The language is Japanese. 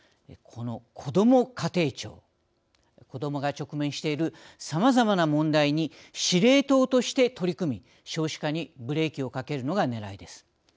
このこども家庭庁子どもが直面しているさまざまな問題に司令塔として取り組み少子化にブレーキをかけるのがねらいです。